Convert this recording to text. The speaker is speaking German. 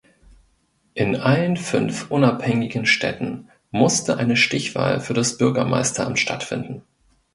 In allen fünf unabhängigen Städten musste eine Stichwahl für das Bürgermeisteramt stattfinden.